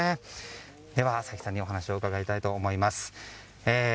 では、齊木さんにお話を伺いたいと思います。